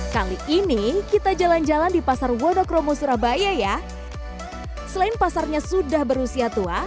kali ini kita jalan jalan di pasar wonokromo surabaya ya selain pasarnya sudah berusia tua